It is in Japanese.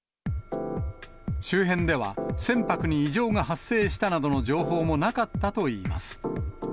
周辺では、船舶に異常が発生したなどの情報もなかったといいます。